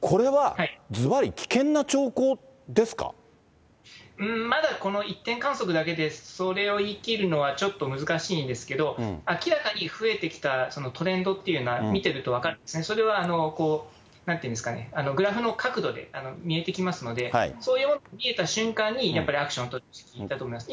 これはずばり、危険な兆候ですかうーん、まだこの１点観測だけで、それを言いきるのは、ちょっと難しいんですけど、明らかに増えてきた、そのトレンドっていうのは、見てると分かるんですね、それはなんていうんですかね、グラフの角度で見えてきますので、そういうものが見えた瞬間に、やっぱりアクション取るべきだと思います。